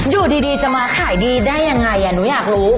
อยู่ดีจะมาขายดีได้ยังไงหนูอยากรู้